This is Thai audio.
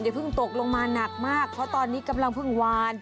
เพิ่งตกลงมาหนักมากเพราะตอนนี้กำลังเพิ่งวาน